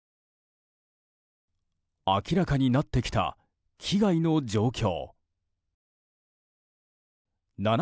明らかになってきた被害の状況。